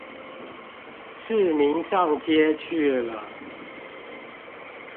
市民上街去了